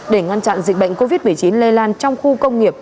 để ngăn chặn dịch bệnh covid một mươi chín lây lan trong khu công nghiệp